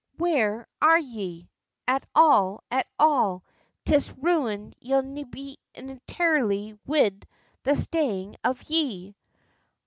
Where are ye, at all, at all? 'Tis ruined ye'll be intirely wid the stayin' of ye!"